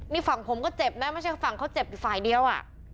นี่ฝั่งผมก็เจ็บนะไม่ใช่ฝั่งเขาเจ็บอยู่ฝ่ายเดียว